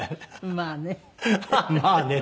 まあね。